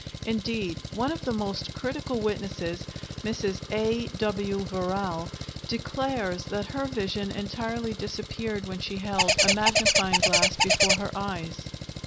Indeed, one of the most critical witnesses, Mrs. A. W. Verrall, declares that her vision entirely disappeared when she held a magnifying glass before her eyes.